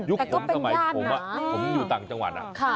ยุคผมสมัยผมอยู่ต่างจังหวันครับ